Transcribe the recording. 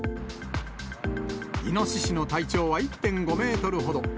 イノシシの体長は１．５メートルほど。